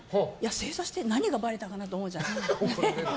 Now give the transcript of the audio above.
正座して何かばれたかなと思うじゃないですか。